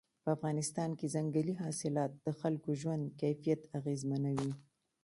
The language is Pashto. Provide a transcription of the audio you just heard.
په افغانستان کې ځنګلي حاصلات د خلکو ژوند کیفیت اغېزمنوي.